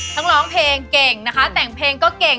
ร้องเพลงเก่งนะคะแต่งเพลงก็เก่ง